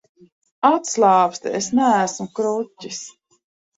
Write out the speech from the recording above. Atslābsti, es neesmu kruķis.